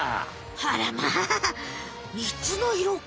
あらま３つの色か。